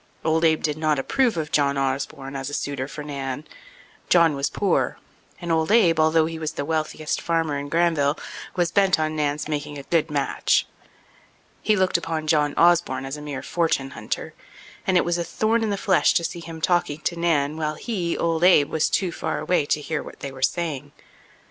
Old Abe did not approve of John Osborne as a suitor for Nan. John was poor; and old Abe, although he was the wealthiest farmer in Granville, was bent on Nan's making a good match. He looked upon John Osborne as a mere fortune hunter, and it was a thorn in the flesh to see him talking to Nan while he, old Abe, was too far away to hear what they were saying.